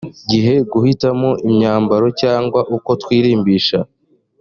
gihe duhitamo imyambaro cyangwa uko twirimbisha